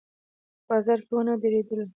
په بازار کې ونه درېدلو.